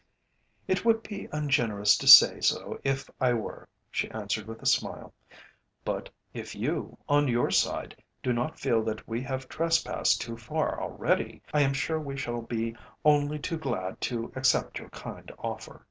"It would be ungenerous to say so if I were," she answered with a smile. "But if you, on your side, do not feel that we have trespassed too far already, I am sure we shall be only too glad to accept your kind offer."